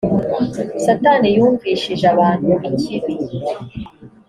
satani yumvishije abantu ikibi